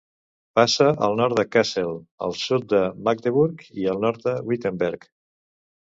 Passa al nord de Kassel, al sud de Magdeburg i al nord de Wittenberg.